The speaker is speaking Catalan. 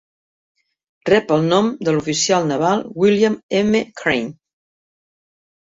Rep el nom de l'oficial naval William M. Crane.